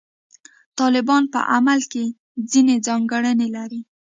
طالبان په عمل کې ځینې ځانګړنې لري.